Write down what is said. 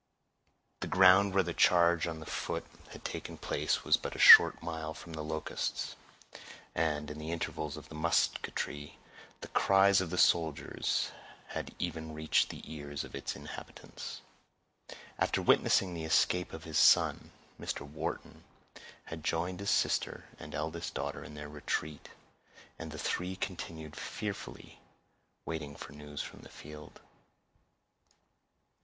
The ground where the charge on the foot had taken place was but a short mile from the Locusts, and, in the intervals of the musketry, the cries of the soldiers had even reached the ears of its inhabitants. After witnessing the escape of his son, Mr. Wharton had joined his sister and eldest daughter in their retreat, and the three continued fearfully waiting for news from the field.